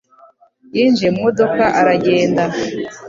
Yinjiye mu modoka aragenda